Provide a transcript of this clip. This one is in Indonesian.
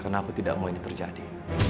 karena aku tidak mau ini terjadi